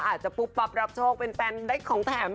อาจจะปุ๊บปั๊บรับโชคเป็นแฟนได้ของแถม